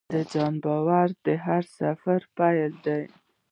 د ځان باور د هر سفر پیل دی.